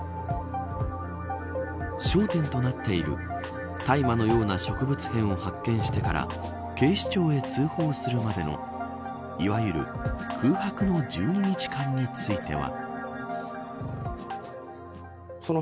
焦点となっている大麻のような植物片を発見してから警視庁へ通報するまでのいわゆる空白の１２日間については。